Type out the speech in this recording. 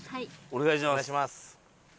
お願いします。